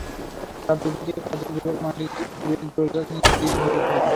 রাত দুইটার দিকে পাঁচজন যুবক মাটি খুঁড়ে দরজার নিচ দিয়ে ঘরে ঢোকেন।